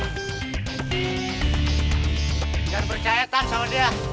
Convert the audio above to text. jangan percaya tanpa dia